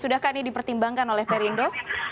sudahkah ini dipertimbangkan oleh perindo